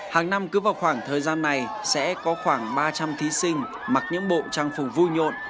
hàng năm cứ vào khoảng thời gian này sẽ có khoảng ba trăm linh thí sinh mặc những bộ trang phục vui nhộn